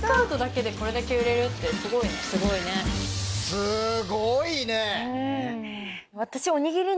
すごいね。